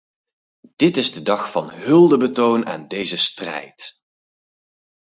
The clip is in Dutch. Dit is de dag van huldebetoon aan deze strijd.